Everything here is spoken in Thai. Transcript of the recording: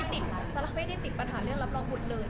ยินยอมค่ะซัลล่าไม่ได้ติดปัญหาเรื่องรับรองกลุ่มเลย